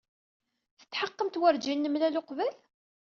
Tetḥeqqemt werjin nemlal uqbel?